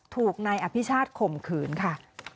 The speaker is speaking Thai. ถูกนายอภิชาติข่มขืนค่ะ